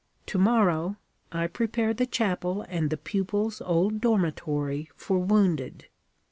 To morrow, I prepare the chapel and the pupils' old dormitory for wounded.